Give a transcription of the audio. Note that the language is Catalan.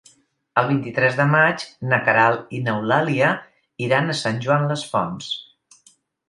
El vint-i-tres de maig na Queralt i n'Eulàlia iran a Sant Joan les Fonts.